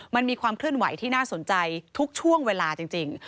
มันมีความเคลื่อนไหวที่น่าสนใจทุกช่วงเวลาจริง